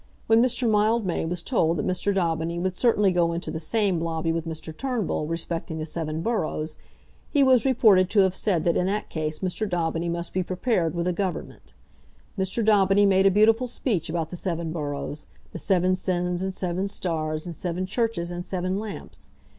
When Mr. Mildmay was told that Mr. Daubeny would certainly go into the same lobby with Mr. Turnbull respecting the seven boroughs, he was reported to have said that in that case Mr. Daubeny must be prepared with a Government. Mr. Daubeny made a beautiful speech about the seven boroughs; the seven sins, and seven stars, and seven churches, and seven lamps.